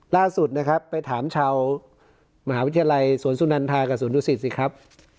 ล่าสุดนะครับไปถามชาวมหาวิทยาลัยสวนสุนันทากับสวนดุสิตสิครับ